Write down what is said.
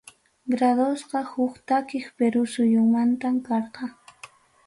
Gradosqa huk takiq Perú suyumantam karqa.